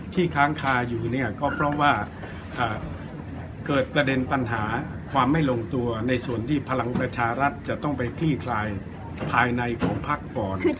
ค้างคาอยู่เนี่ยก็เพราะว่าเกิดประเด็นปัญหาความไม่ลงตัวในส่วนที่พลังประชารัฐจะต้องไปคลี่คลายภายในของพักก่อน